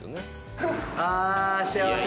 あ幸せ。